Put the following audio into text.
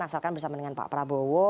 asalkan bersama dengan pak prabowo